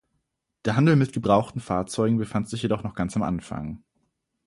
Der Handel mit gebrauchten Fahrzeugen befand sich jedoch noch ganz am Anfang.